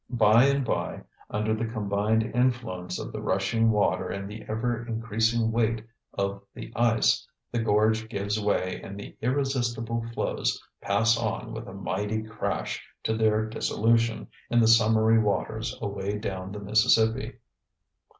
By and bye, under the combined influence of the rushing water and the ever increasing weight of the ice, the gorge gives way and the irresistible floes pass on with a mighty crash to their dissolution in the summery waters away down the Mississippi.